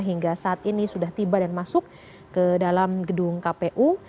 hingga saat ini sudah tiba dan masuk ke dalam gedung kpu